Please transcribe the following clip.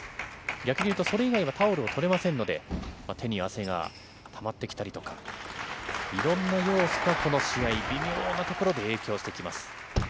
逆にいうと、それ以外はタオルが取れませんので、手に汗がたまってきたりとか、いろんな要素がこの試合、微妙なところで影響してきます。